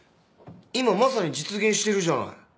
今まさに実現してるじゃない！